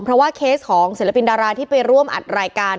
เพราะว่าเคสของศิลปินดาราที่ไปร่วมอัดรายการ